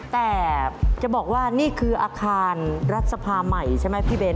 แต่จะบอกว่านี่คืออาคารรัฐสภาใหม่ใช่ไหมพี่เบ้น